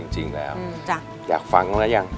จริงแล้วอยากฟังแล้วยัง